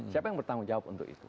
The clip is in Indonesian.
siapa yang bertanggung jawab untuk itu